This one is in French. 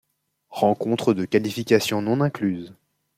Rencontres de qualification non incluses.